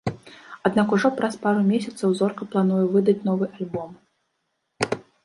Аднак ужо праз пару месяцаў зорка плануе выдаць новы альбом.